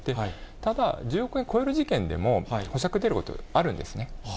ただ、１０億円を超える事件でも、保釈出ること、あるんですね。